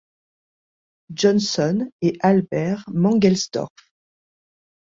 Johnson et Albert Mangelsdorff.